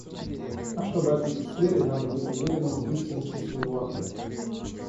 А чтобы ответить с верой, надо быть уверенным в истинности своего ответа.